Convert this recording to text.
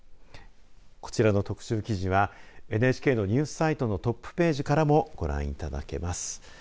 こちらの特集記事はＮＨＫのニュースサイトのトップページからもご覧いただけます。